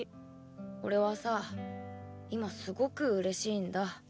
俺はさ今すごく嬉しいんだ。